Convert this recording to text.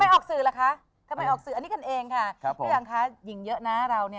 ทำไมออกสือละคะอันนี้กันเองเรามีหญิงเยอะนะ